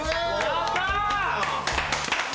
やった！